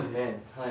はい。